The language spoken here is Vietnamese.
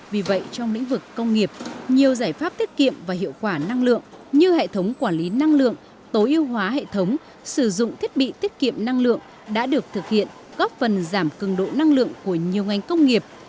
vì vậy trong lĩnh vực công nghiệp nhiều giải pháp tiết kiệm và hiệu quả năng lượng như hệ thống quản lý năng lượng tối ưu hóa hệ thống sử dụng thiết bị tiết kiệm năng lượng đã được thực hiện góp phần giảm cường độ năng lượng của nhiều ngành công nghiệp